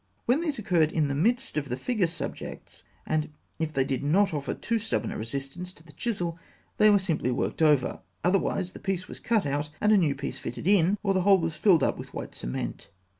When these occurred in the midst of the figure subjects, and if they did not offer too stubborn a resistance to the chisel, they were simply worked over; otherwise the piece was cut out and a new piece fitted in, or the hole was filled up with white cement.